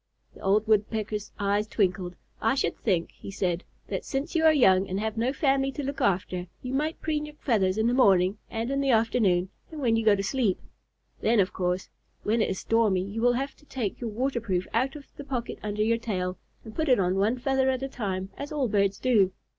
The old Woodpecker's eyes twinkled. "I should think," he said, "that since you are young and have no family to look after, you might preen your feathers in the morning and in the afternoon and when you go to sleep. Then, of course, when it is stormy, you will have to take your waterproof out of the pocket under your tail, and put it on one feather at a time, as all birds do.